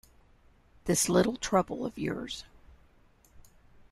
This little trouble of yours.